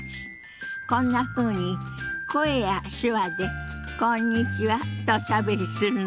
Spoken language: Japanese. こんなふうに声や手話で「こんにちは」とおしゃべりするの。